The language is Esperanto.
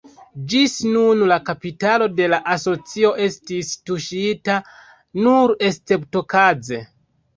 Ĝis nun la kapitalo de la asocio estis tuŝita nur esceptokaze.